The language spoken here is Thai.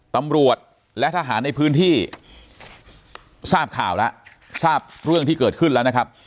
ตำรวจและทหารในพื้นที่ทราบเรื่องที่เกิดขึ้นแล้วนะครับ